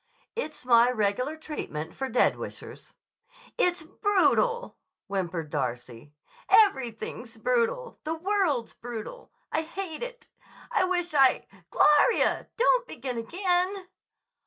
"It's my regular treatment for dead wish ers. "It's brutal," whimpered Darcy. "Everything's brutal. The world's brutal. I hate it! I wish I—Glooo oria! Don't begin again!"